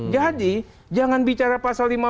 jadi jangan bicara pasal